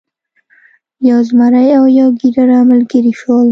یو زمری او یو ګیدړه ملګري شول.